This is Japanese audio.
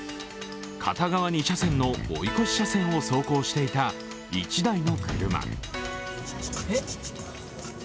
片側２車線の追い越し車線を走行していた１台の車。